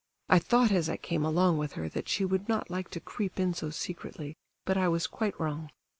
I thought as I came along with her that she would not like to creep in so secretly, but I was quite wrong.